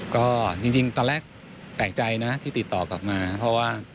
ก็จริงตอนแรกแตกใจนะที่ติดต่อกลับมา